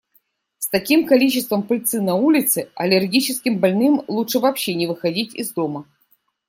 С таким количеством пыльцы на улице, аллергическим больным лучше вообще не выходить из дома.